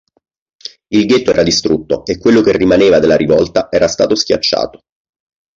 Il ghetto era distrutto e quello che rimaneva della rivolta era stato schiacciato.